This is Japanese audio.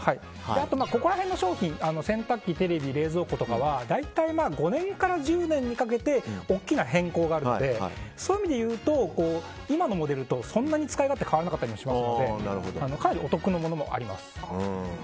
あと、ここら辺の商品洗濯機、テレビ、冷蔵庫とかは大体５年から１０年かけて大きな変更があるのでそういう意味で言うと今のモデルとそんなに使い勝手が変わらなかったりするのでかなりお得なものもあります。